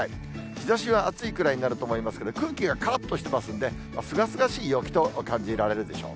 日ざしは暑いくらいになると思いますけど、空気がからっとしていますんで、すがすがしい陽気と感じられるでしょう。